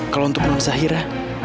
kalo untuk non zahira